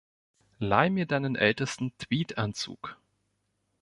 Leih mir deinen ältesten Tweedanzug.